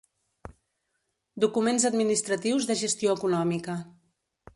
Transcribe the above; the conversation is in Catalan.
Documents administratius de gestió econòmica.